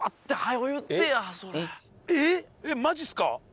いやマジっすか？